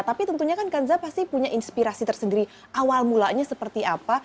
tapi tentunya kan kanza pasti punya inspirasi tersendiri awal mulanya seperti apa